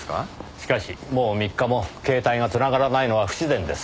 しかしもう３日も携帯が繋がらないのは不自然です。